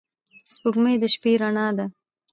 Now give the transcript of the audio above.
سپوږمۍ د شپې رڼا ده